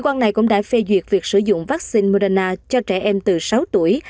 cơ quan này cũng đã phê duyệt việc sử dụng vaccine moderna cho trẻ em từ sáu tuổi